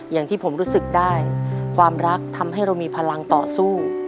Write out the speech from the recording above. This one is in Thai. อย่างที่ผมรู้สึกได้ความรักทำให้เรามีพลังต่อสู้